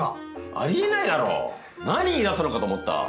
あり得ないだろ何言い出すのかと思った。